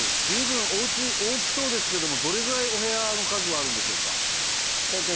随分おうち大きそうですけどもどれぐらいお部屋の数はあるんでしょうか？